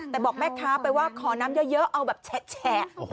แต่บอกแม่ค้าไปว่าขอน้ำเยอะเอาแบบแฉะ